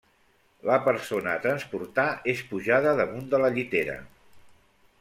La persona a transportar és pujada damunt de la llitera.